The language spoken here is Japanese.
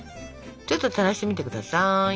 ちょっとたらしてみてください。